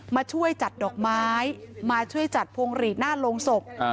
มาช่วยจัดดอกไม้มาช่วยจัดพวงหลีดหน้าโรงศพ